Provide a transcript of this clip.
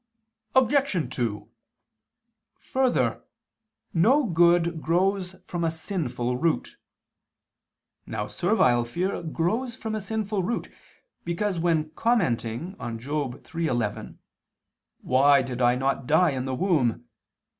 Obj. 2: Further, no good grows from a sinful root. Now servile fear grows from a sinful root, because when commenting on Job 3:11, "Why did I not die in the womb?"